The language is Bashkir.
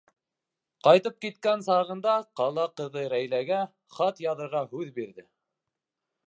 Ҡайтып киткән сағында ҡала ҡыҙы Рәйләгә хат яҙырға һүҙ бирҙе.